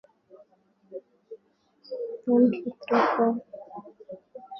wanajeshi hao wawili ni wanajeshi wa Rwanda na kwamba kamanda wao ni Luteni